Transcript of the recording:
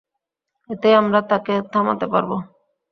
এতেই আমরা তাকে থামাতে পারব।